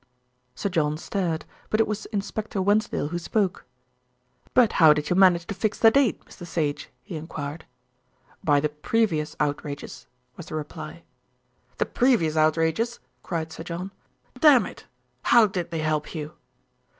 Sir John stared; but it was Inspector Wensdale who spoke. "But how did you manage to fix the date, Mr. Sage?" he enquired. "By the previous outrages," was the reply. "The previous outrages!" cried Sir John. "Dammit! how did they help you?"